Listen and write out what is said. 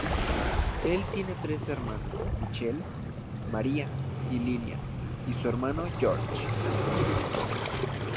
Él tiene tres hermanas, Michelle, Maria y Lillian, y un hermano, George.